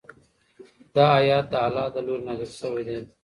دا آیت د الله له لوري نازل شوی دی.